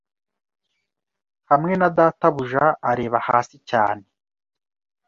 Hamwe na databuja areba hasi cyane